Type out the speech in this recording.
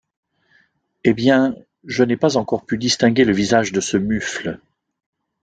Eh bien, je n’ai pas encore pu distinguer le visage de ce mufle.